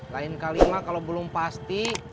lain kali mah kalau belum pasti